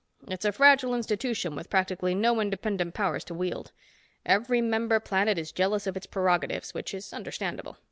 It's a fragile institution with practically no independent powers to wield. Every member planet is jealous of its prerogatives, which is understandable.